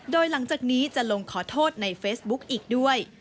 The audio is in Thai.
โดยหลังจากนี้จะลงขอโทษในเฟซบุ๊กอีกด้วย